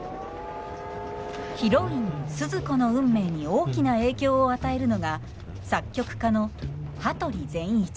ヒロインスズ子の運命に大きな影響を与えるのが作曲家の羽鳥善一。